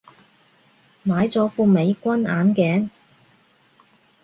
買咗副美軍眼鏡